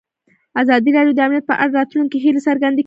ازادي راډیو د امنیت په اړه د راتلونکي هیلې څرګندې کړې.